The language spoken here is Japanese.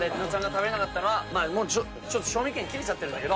食べれなかった賞味期限切れちゃってんだけど。